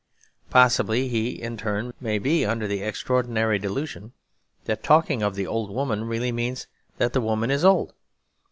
Possibly he in turn may be under the extraordinary delusion that talking of the old woman really means that the woman is old.